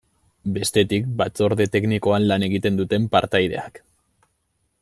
Bestetik, batzorde-teknikoan lan egiten duten partaideak.